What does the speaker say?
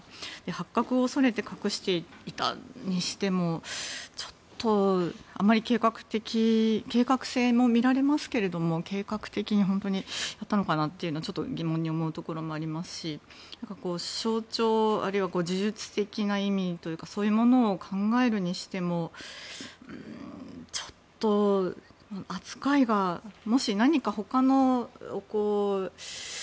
発覚を恐れて隠していたにしてもちょっと、あまり計画性も見られますけれども計画的に本当にやったのかなとは疑問に思うところもありますし象徴あるいは呪術的な意味というかそういうものを考えるにしてもちょっと扱いがもし何かほかの。